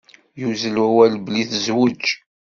Yuzzel wawal belli tezweǧ.